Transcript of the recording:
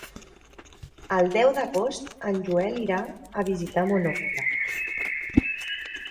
El deu d'agost en Joel irà a visitar mon oncle.